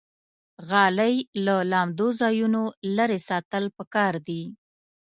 غالۍ له لمدو ځایونو لرې ساتل پکار دي.